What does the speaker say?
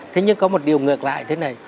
thế nhưng có một điều ngược lại thế này